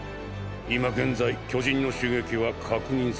今現在巨人の襲撃は確認されていません。